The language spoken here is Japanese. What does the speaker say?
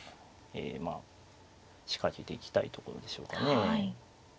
えまあ仕掛けていきたいところでしょうかね。